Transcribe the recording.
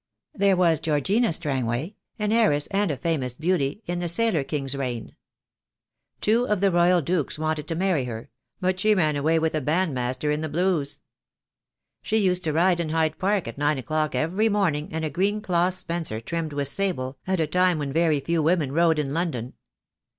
There was Georgiana Strangway, an heiress and a famous beauty, in the Sailor King's reign. Two of the Royal Dukes wanted to marry her; but she ran away with a bandmaster in the Blues. She used to ride in Hyde Park at nine o'clock every morning in a green cloth spencer trimmed with sable, at a time when very few women rode in London.